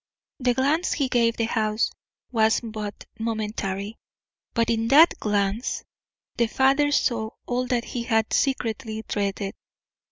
The glance he gave the house was but momentary, but in that glance the father saw all that he had secretly dreaded.